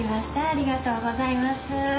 ありがとうございます。